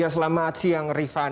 ya selamat siang rifana